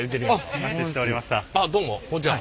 あっどうもこんちは。